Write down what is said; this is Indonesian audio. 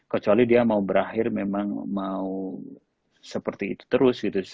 kecuali dia mau berakhir memang mau seperti itu terus gitu